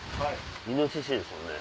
イノシシですもんね。